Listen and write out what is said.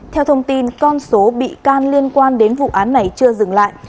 theo thông tin con số bị can liên quan đến vụ án này chưa dừng lại